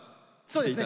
そうですね。